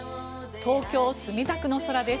東京・墨田区の空です。